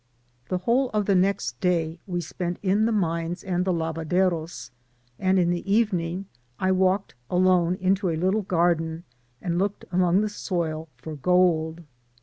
The whole of the next day we spent in the mines and the lavaderos, and in the evening I walked alone into a little garden, and looked among the soil for gold.